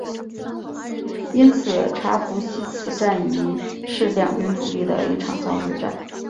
因此查图西茨战役是两军主力的一场遭遇战。